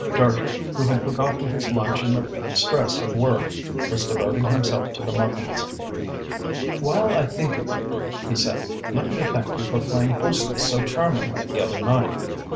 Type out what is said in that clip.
Dartrey, who had forgotten his lunch in the stress of work, was devoting himself to the muffins. "While I think of it," he said, "let me thank you for playing hostess so charmingly the other night."